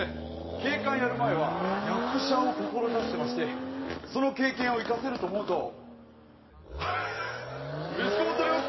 警官やる前は役者を志してましてその経験を生かせると思うとうれしく思っております！